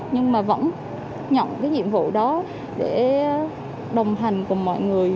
nhưng mà vẫn nhận cái nhiệm vụ đó để đồng hành cùng mọi người